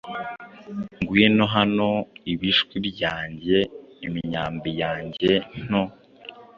Ngwino hano, Ibishwi byanjye, imyambi yanjye nto.